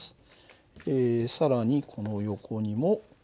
更にこの横にもこう。